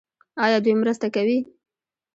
آیا دوی مرسته کوي؟